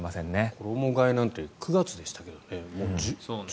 衣替えなんて９月でしたけどね。